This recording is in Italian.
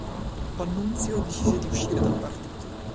Pannunzio decise di uscire dal partito.